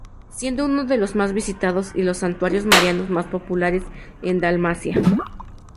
Siendo uno de los más visitados y los santuarios marianos más populares en Dalmacia.